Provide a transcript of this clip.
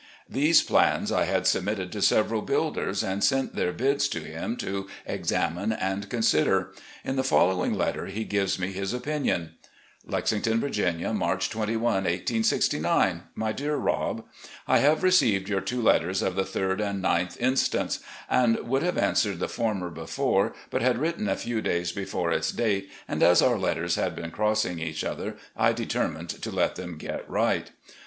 These plans I had submitted to several builders and sent their bids to him to ex amine and consider. In the following letter, he gives me his opinion: "Lexington, Virginia, March 21, 1869. " My Dear Rob: I have received your two letters of the 3d and 9th insts., and would have answered the former before, but had written a few days before its date, and as our letters had been crossing each other, I determined to let them get right.